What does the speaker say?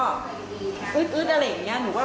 อันนี้ยิ่งประกอบกับที่หนูเห็น